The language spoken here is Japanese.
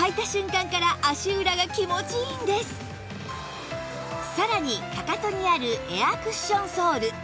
だからさらにかかとにあるエアクッションソール